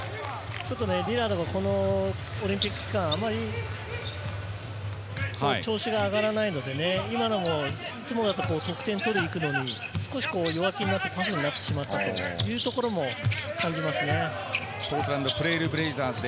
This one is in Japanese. デュラントがオリンピック期間、調子が上がらないので今のも、いつもだと得点を取りに行くのに弱気になってパスになってしまったというところも感じますね。